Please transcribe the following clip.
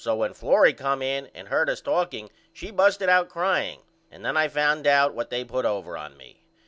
So when Florrie come in and heard us talking she busted out crying and then I found out what they put over on me.